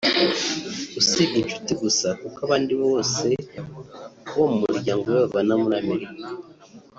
usibye inshuti gusa kuko abandi bose bo mu muryango we babana muri Amerika